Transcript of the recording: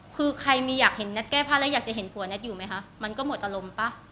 คือใครมีอยากเห็นนัทแก้ผ้าแล้วอยากจะเห็นผัวนัทอยู่ไหมคะมันก็หมดอารมณ์ป่ะ